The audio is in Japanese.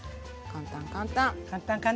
簡単簡単。